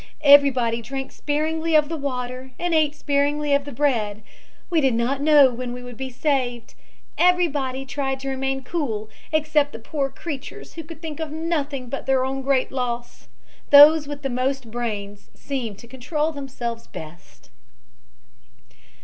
Everybody drank sparingly of the water and ate sparingly of the bread. We did not know when we would be saved. Everybody tried to remain cool, except the poor creatures who could think of nothing but their own great loss. Those with the most brains seemed to control themselves best."